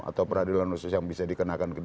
atau peradilan khusus yang bisa dikenakan